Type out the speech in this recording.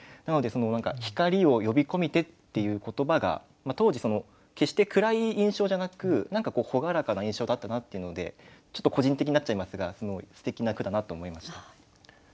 なのでその何か「ひかりを呼び込みて」っていう言葉が当時その決して暗い印象じゃなく何かこう朗らかな印象だったなっていうのでちょっと個人的になっちゃいますがすてきな句だなと思いました。